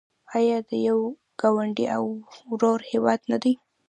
آیا د یو ګاونډي او ورور هیواد نه دی؟